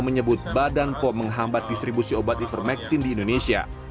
menyebut badan pom menghambat distribusi obat ivermectin di indonesia